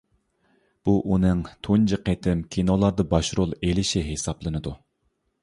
بۇ ئۇنىڭ تۇنجى قېتىم كىنولاردا باش رول ئېلىشى ھېسابلىنىدۇ.